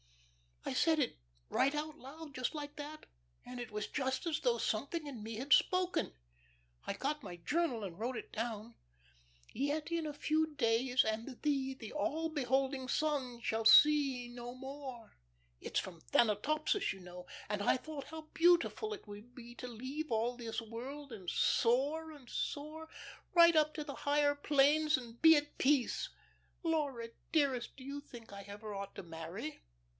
I said it right out loud just like that, and it was just as though something in me had spoken. I got my journal and wrote down, 'Yet in a few days, and thee, the all beholding sun shall see no more.' It's from Thanatopsis, you know, and I thought how beautiful it would be to leave all this world, and soar and soar, right up to higher planes and be at peace. Laura, dearest, do you think I ever ought to marry?"